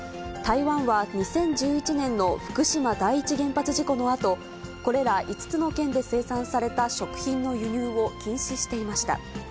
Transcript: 台湾は２０１１年の福島第一原発事故のあと、これら５つの県で生産された食品の輸入を禁止していました。